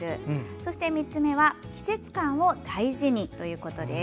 そして３つ目は季節感を大事にということです。